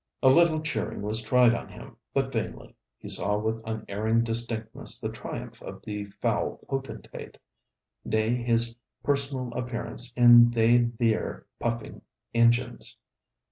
A little cheering was tried on him, but vainly. He saw with unerring distinctness the triumph of the Foul Potentate, nay his personal appearance 'in they theer puffin' engines.'